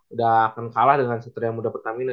udah akan kalah dengan satria muda pertamina